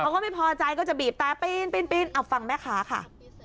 เขาก็ไม่พอใจก็จะบีบแต่ปีนเอาฟังแม่ค้าค่ะ